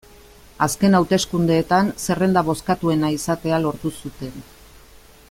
Azken hauteskundeetan zerrenda bozkatuena izatea lortu zuten.